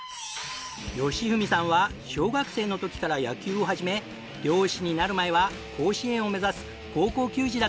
好郁さんは小学生の時から野球を始め漁師になる前は甲子園を目指す高校球児だったんです。